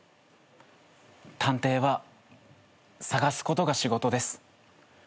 探偵は捜すことが仕事です。